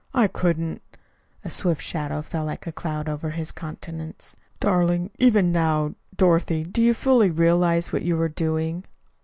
"I couldn't." A swift shadow fell like a cloud over his countenance. "Darling, even now Dorothy, do you fully realize what you are doing?